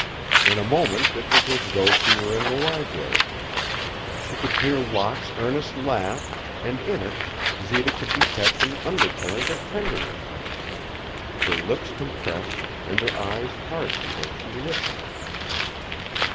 In a moment it was as though she were in the library. She could hear Locke's earnest laugh and in it Zita could detect an undercurrent of tenderness. Her lips compressed and her eyes hardened as she listened.